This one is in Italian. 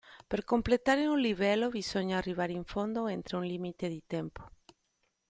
Per completare un livello bisogna arrivare in fondo entro un limite di tempo.